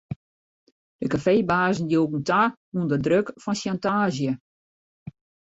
De kafeebazen joegen ta ûnder druk fan sjantaazje.